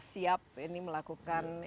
siap ini melakukan